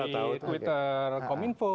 ada dari twitter kominfo